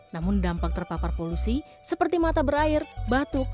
namun dampak terpapar polusi seperti mata berair batuk